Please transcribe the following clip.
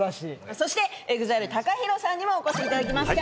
そしてＥＸＩＬＥＴＡＫＡＨＩＲＯさんにもお越しいただきました。